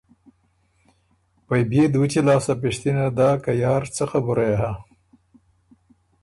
پئ بيې دُوچی لاسته پِشتِنه داک که یار څۀ خبُره يې هۀ۔